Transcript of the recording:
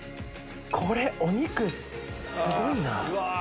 これお肉すごいな。